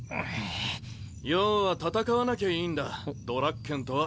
要は戦わなきゃいいんだドラッケンとは。